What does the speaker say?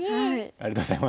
ありがとうございます。